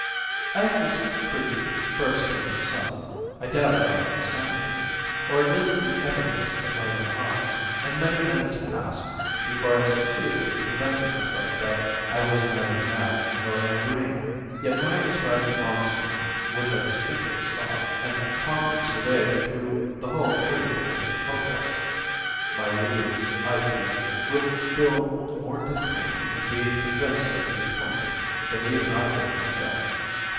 As this creature first came in sight, I doubted my own sanity—or at least the evidence of my own eyes; and many minutes passed before I succeeded in convincing myself that I was neither mad nor in a dream. Yet when I described the monster (which I distinctly saw, and calmly surveyed through the whole period of its progress), my readers, I fear, will feel more difficulty in being convinced of these points than even I did myself.